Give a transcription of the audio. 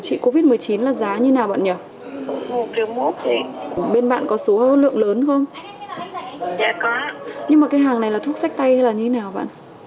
chị nhớ xin vô giao lô đi em gọi cho chị coi